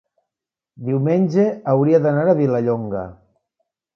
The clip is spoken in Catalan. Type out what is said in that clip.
Diumenge hauria d'anar a Vilallonga.